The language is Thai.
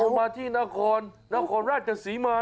เอามาที่นครราชศรีมา